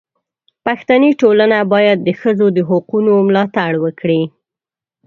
پښتني ټولنه باید د ښځو د حقونو ملاتړ وکړي.